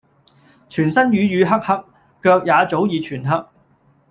全身瘀瘀黑黑，腳也早已全黑